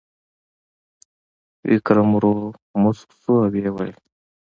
ویکرم ورو موسک شو او وویل: